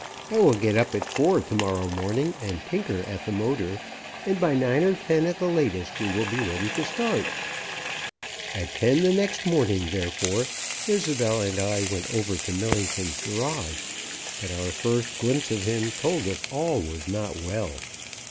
I will get up at four to morrow morning and tinker at the motor, and by nine, or ten at the latest, we will be ready to start." At ten the next morning, therefore, Isobel and I went over to Millington's garage, but our first glimpse of him told us all was not well.